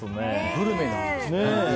グルメなんですね。